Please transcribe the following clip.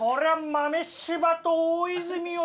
豆柴と大泉洋